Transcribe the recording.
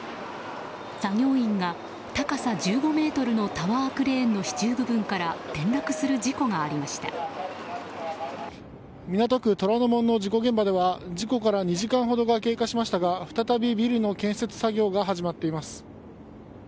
作業員が高さ１５ｍのタワークレーンの支柱部分から港区虎ノ門の事故現場では事故から２時間ほどが経過しましたが再びビルの建設作業が始まっています。